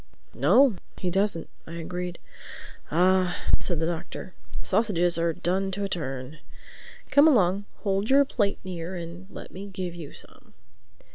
"No, he doesn't," I agreed. "Ah," said the Doctor. "The sausages are done to a turn. Come along—hold your plate near and let me give you some."